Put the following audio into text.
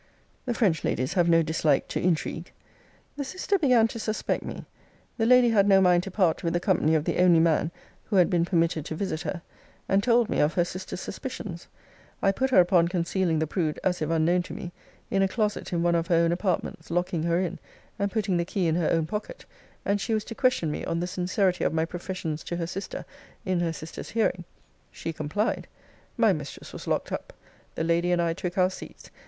The French ladies have no dislike to intrigue. 'The sister began to suspect me: the lady had no mind to part with the company of the only man who had been permitted to visit her; and told me of her sister's suspicions. I put her upon concealing the prude, as if unknown to me, in a closet in one of her own apartments, locking her in, and putting the key in her own pocket: and she was to question me on the sincerity of my professions to her sister, in her sister's hearing. 'She complied. My mistress was locked up. The lady and I took our seats.